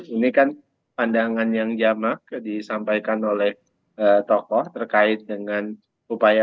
ini kan pandangan yang jamak disampaikan oleh tokoh terkait dengan upaya